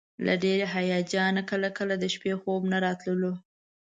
له ډېر هیجانه کله کله د شپې خوب نه راتللو.